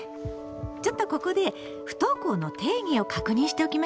ちょっとここで不登校の定義を確認しておきましょうか。